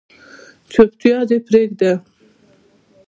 چوپتیا دې پریږده